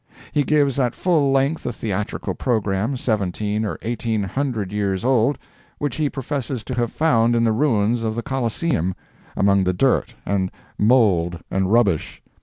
He gives at full length a theatrical programme seventeen or eighteen hundred years old, which he professes to have found in the ruins of the Coliseum, among the dirt and mould and rubbish.